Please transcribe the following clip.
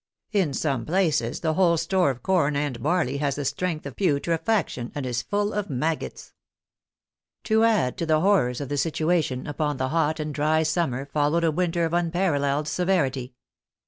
In some places the whole store of corn and barley has the stench of putrefaction, and is full of maggots.'* To add to the horrors of the situation, upon the hot and dry summer followed a winter of unparalleled severity.